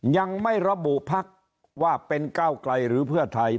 ยังไม่ระบุพักว่าเป็นก้าวไกลหรือเพื่อไทย